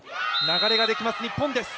流れができます、日本です。